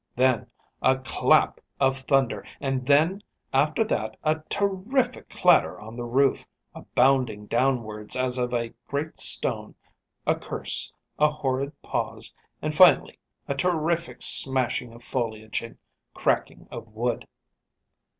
Then a clap of thunder; and then, after that, a terrific clatter on the roof, a bounding downwards as of a great stone, a curse, a horrid pause, and finally a terrific smashing of foliage and cracking of wood.